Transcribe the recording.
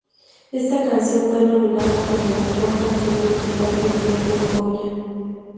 Esta canción fue nominada como "Mejor Canción Original" en Premios Goya.